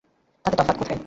তাতে তফাৎ কোথায়?